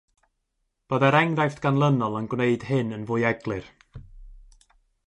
Byddai'r enghraifft ganlynol yn gwneud hyn yn fwy eglur.